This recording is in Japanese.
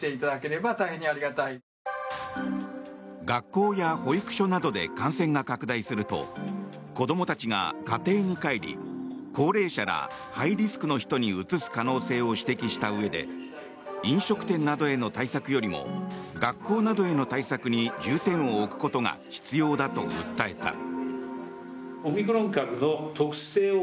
学校や保育所などで感染が拡大すると子どもたちが家庭に帰り高齢者らハイリスクの人にうつす可能性を指摘したうえで飲食店などへの対策よりも学校などへの対策に重点を置くことが必要だと訴えた。